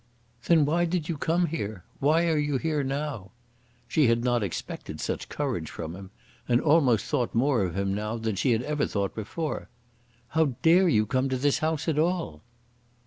"Then why did you come here? Why are you here now?" She had not expected such courage from him, and almost thought more of him now than she had ever thought before. "How dare you come to this house at all?"